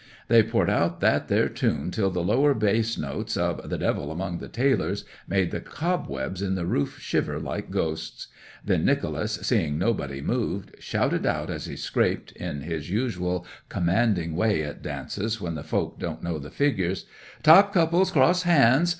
They poured out that there tune till the lower bass notes of "The Devil among the Tailors" made the cobwebs in the roof shiver like ghosts; then Nicholas, seeing nobody moved, shouted out as he scraped (in his usual commanding way at dances when the folk didn't know the figures), "Top couples cross hands!